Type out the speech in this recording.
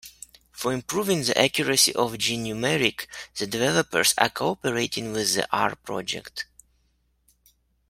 For improving the accuracy of Gnumeric, the developers are cooperating with the R Project.